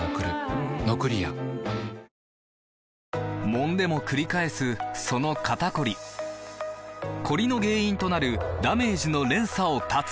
もんでもくり返すその肩こりコリの原因となるダメージの連鎖を断つ！